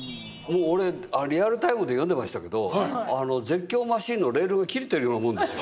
俺リアルタイムで読んでましたけど絶叫マシンのレールが切れてるようなもんですよ。